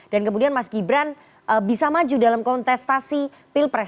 dan kemudian mas gibran bisa maju dalam kontestasi pilpres